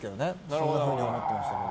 そういうふうに思ってました。